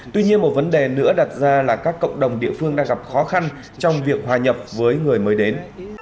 tuy nhiên một vấn đề nữa đặt ra là các cộng đồng địa phương đang gặp khó khăn trong việc hòa nhập với người mới đến